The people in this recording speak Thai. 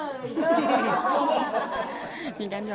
สวัสดีครับ